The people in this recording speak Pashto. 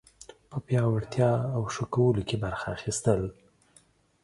په پیاوړتیا او ښه کولو کې برخه اخیستل